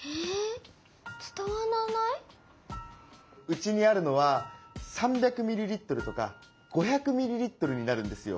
うちにあるのは３００ミリリットルとか５００ミリリットルになるんですよ。